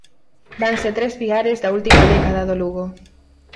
Vanse tres piares da última década do Lugo.